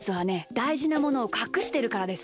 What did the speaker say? だいじなものをかくしてるからです。